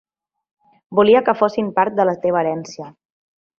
Volia que fossin part de la teva herència.